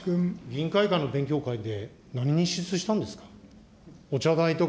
議員会館の勉強会で何に支出したんですか。